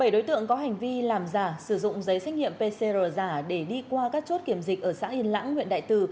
bảy đối tượng có hành vi làm giả sử dụng giấy xét nghiệm pcr giả để đi qua các chốt kiểm dịch ở xã yên lãng huyện đại từ